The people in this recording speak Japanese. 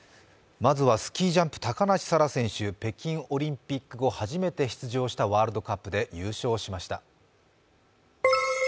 まずはスキージャンプ高梨沙羅選手、北京オリンピック後初めて出場したワールドカップで優勝しました。